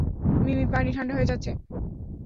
মিমি, পানি ঠাণ্ডা হয়ে যাচ্ছে।